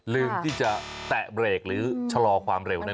ลืมที่จะแตะเบรกหรือชะลอความเร็วได้